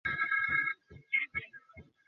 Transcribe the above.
একদম সুনির্দিষ্ট করে দিনক্ষণ বলে দিলে!